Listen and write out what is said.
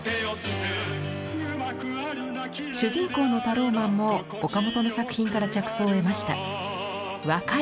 主人公のタローマンも岡本の作品から着想を得ました。